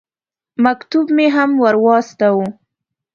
مکتوب مې هم ور واستاوه.